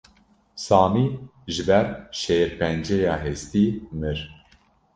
Samî ji ber şêrpenceya hestî mir.